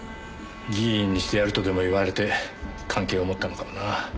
議員にしてやるとでも言われて関係を持ったのかもな。